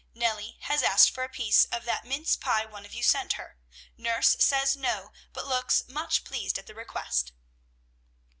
"Nellie has asked for a piece of that mince pie one of you sent her. Nurse says, 'No,' but looks much pleased at the request."